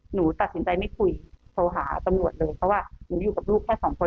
หนูตัดสินใจไม่คุยโทรหาตำรวจเลยเพราะว่าหนูอยู่กับลูกแค่สองคน